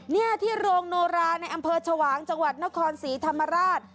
นี่ที่โรงโนราในอำเภอชวางจังหวัดนครศรีธรรมราช